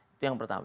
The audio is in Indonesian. itu yang pertama